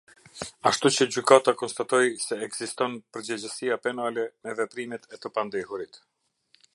Ashtu që gjykata konstatoi se egziston pergjegjesija penale me veprimet e të pandehurit.